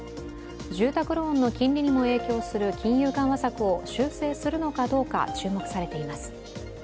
住宅ローンの金利にも影響する金融緩和策を修正するのかどうか注目されています。